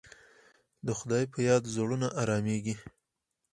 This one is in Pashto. د خدای په یاد زړونه ارامېږي.